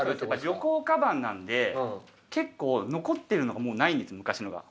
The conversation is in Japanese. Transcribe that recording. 旅行カバンなんで結構残ってるのがもうないんです昔のが。